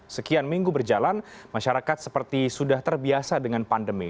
sekian minggu berjalan masyarakat seperti sudah terbiasa dengan pandemi